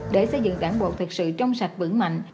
để xây dựng đảng bộ thực sự trong sạch vững mạnh